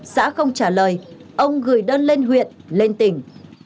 xã không trả lời ông gửi đơn lên huyện lên tỉnh